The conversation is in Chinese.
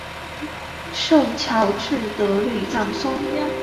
圣乔治德吕藏松。